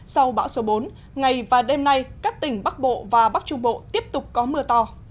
sau bão số bốn ngày và đêm nay các tỉnh bắc bộ và bắc trung bộ tiếp tục có mưa to